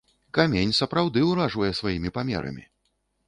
Камень, сапраўды, уражвае сваімі памерамі!